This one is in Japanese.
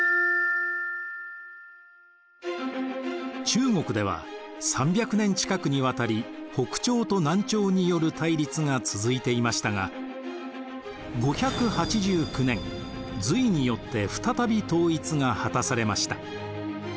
中国では３００年近くにわたり北朝と南朝による対立が続いていましたが５８９年隋によって再び統一が果たされました。